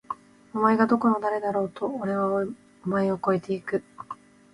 お前がどこの誰だろうと！！おれはお前を超えて行く！！